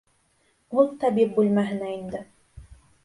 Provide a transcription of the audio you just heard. Ул табип бүлмәһенә инде.